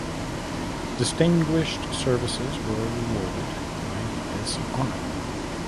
Distinguished services were rewarded by this honor.